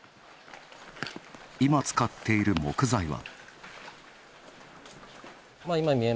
今使っている木材は。